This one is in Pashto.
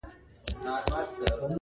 پر حجره یې لکه مار وګرځېدمه-